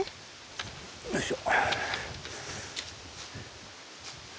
よいしょ。